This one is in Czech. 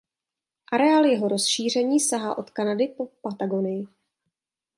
Areál jeho rozšíření sahá od Kanady po Patagonii.